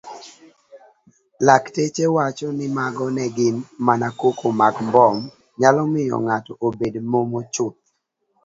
Lakteche wacho nimago negin mana koko magmbom nyalo miyo ng'ato obed momochuth.